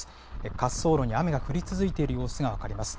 滑走路に雨が降り続いている様子が分かります。